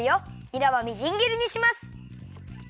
にらはみじんぎりにします。